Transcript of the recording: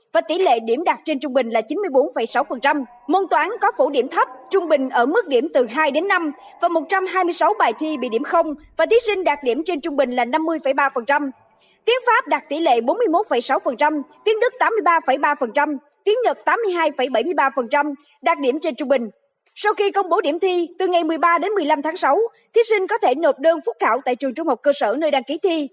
vì công bố điểm thi từ ngày một mươi ba đến một mươi năm tháng sáu thí sinh có thể nộp đơn phúc khảo tại trường trung học cơ sở nơi đăng ký thi